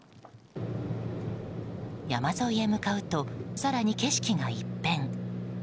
山沿いへ向かうと更に、景色が一変。